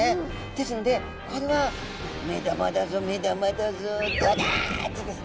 ですのでこれは目玉だぞ目玉だぞどうだ！ってですね